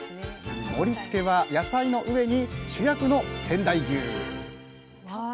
盛りつけは野菜の上に主役の仙台牛うわ！